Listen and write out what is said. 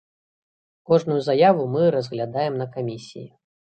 Кожную заяву мы разглядаем на камісіі.